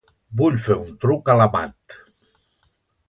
Vull fer un truc a l'Amat.